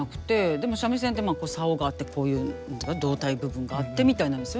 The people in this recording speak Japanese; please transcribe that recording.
でも三味線って棹があってこういう胴体部分があってみたいなんですよね。